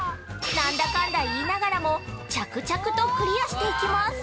何だかんだ言いながらも着々とクリアしていきます。